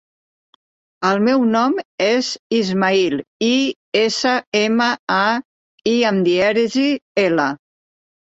El meu nom és Ismaïl: i, essa, ema, a, i amb dièresi, ela.